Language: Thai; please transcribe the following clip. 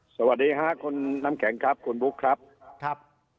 สวัสดีค่ะคุณน้ำแข็งครับคุณบุ๊คครับครับ